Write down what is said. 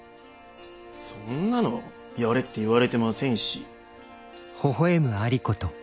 そんなのやれって言われてませんし。